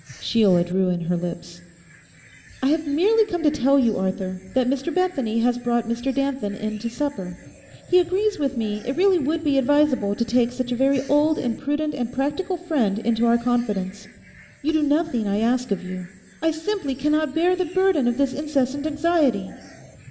Sheila drew in her lips. 'I have merely come to tell you, Arthur, that Mr Bethany has brought Mr Danton in to supper. He agrees with me it really would be advisable to take such a very old and prudent and practical friend into our confidence. You do nothing I ask of you. I simply cannot bear the burden of this incessant anxiety.